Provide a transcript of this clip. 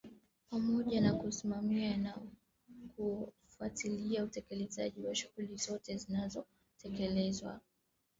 pamoja na kusimamia na kufuatilia utekelezaji wa shughuli zote zinazotekelezwa